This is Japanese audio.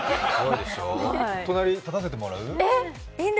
隣に立たせてもらう？